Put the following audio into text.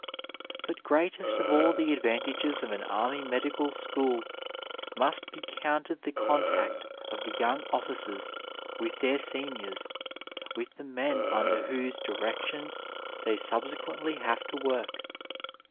But greatest of all the advantages of an army medical school must be counted the contact of the young officers with their seniors, with the men under whose directions they subsequently have to work.